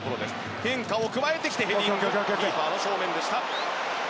変化を加えてきてヘディングキーパーの正面でした。